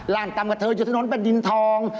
ร่านตำกับเธออยู่ถนนเป็นดินทอง